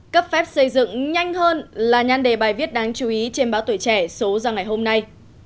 cấp phép xây dựng nhanh hơn là nhan đề bài viết đáng chú ý trên báo tuổi trẻ số ra ngày hôm nay